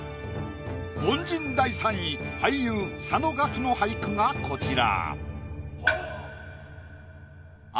凡人第３位俳優佐野岳の俳句がこちら。